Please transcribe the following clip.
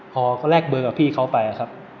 พอเขาแลกเบอร์กับพี่เขาไปครับ